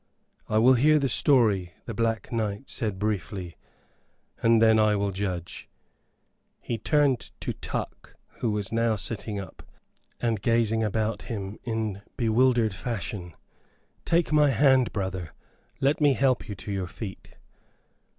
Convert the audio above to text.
"I will hear the story," the Black Knight said, briefly, "and then I will judge." He turned to Tuck, who now was sitting up, and gazing about him in bewildered fashion. "Take my hand, brother; let me help you to your feet."